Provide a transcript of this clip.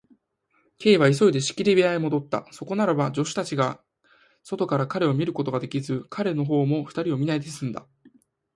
Ｋ は急いで仕切り部屋へもどった。そこならば、助手たちが外から彼を見ることができず、彼のほうも二人を見ないですんだ。